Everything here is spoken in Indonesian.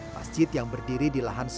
masjid yang berdiri di jembatan lima